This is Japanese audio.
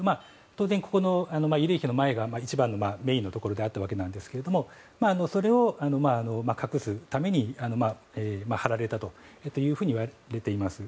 当然、ここの慰霊碑の前が一番のメインのところであったわけなんですがそれを隠すために張られたといわれています。